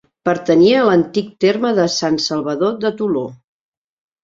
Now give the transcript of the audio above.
Pertanyia a l'antic terme de Sant Salvador de Toló.